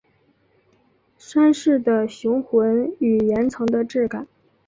山势的雄浑与岩层的质感